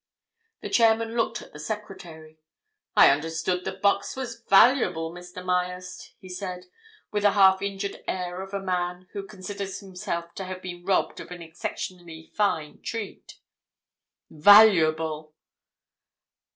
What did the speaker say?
The chairman looked at the secretary. "I understood the box was valuable, Mr. Myerst," he said, with the half injured air of a man who considers himself to have been robbed of an exceptionally fine treat. "Valuable!"